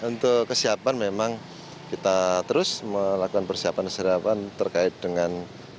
untuk kesiapan memang kita terus melakukan persiapan persiapan terkait dengan